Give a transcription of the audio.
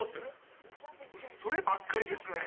そればっかりですね。